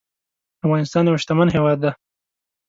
افغانستان يو شتمن هيواد دي